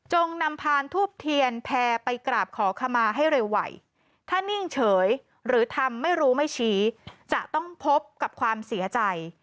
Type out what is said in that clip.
หรือทำไม่รู้ไม่ชี้จะต้องพบกับความเสียใจ